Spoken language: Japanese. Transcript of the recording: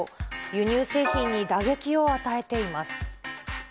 輸入製品に打撃を与えています。